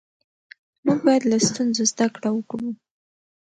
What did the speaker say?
موږ باید له ستونزو زده کړه وکړو